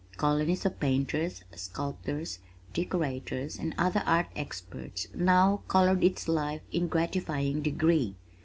Colonies of painters, sculptors, decorators and other art experts now colored its life in gratifying degree.